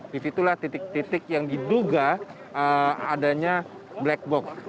di situlah titik titik yang diduga adanya black box